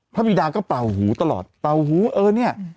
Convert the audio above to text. บิดาก็เป่าหูตลอดเป่าหูเออเนี่ย